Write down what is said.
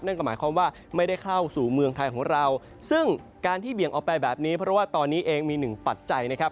นั่นก็หมายความว่าไม่ได้เข้าสู่เมืองไทยของเราซึ่งการที่เบี่ยงออกไปแบบนี้เพราะว่าตอนนี้เองมีหนึ่งปัจจัยนะครับ